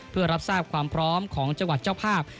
เพื่อรับทราบความพร้อมของจังหวัดเจ้าภาพ